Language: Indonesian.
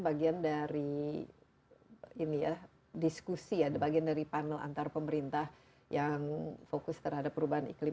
bagian dari ini ya diskusi ya ada bagian dari panel antar pemerintah yang fokus terhadap perubahan iklim